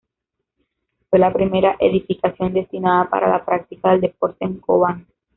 Fue la primera edificación destinada para la práctica del deporte en Cobán.